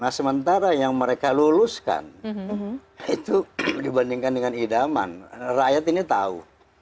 nah sementara yang mereka luluskan itu dibandingkan dengan idaman rakyat ini tahu